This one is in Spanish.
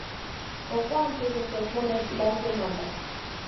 poco antes de interponer las demandas